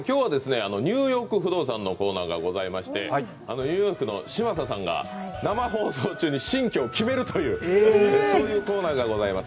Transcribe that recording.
ニューヨーク不動産のコーナーがありましてニューヨークの嶋佐さんが生放送中に新居を決めるというコーナーがございます。